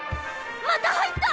また入った！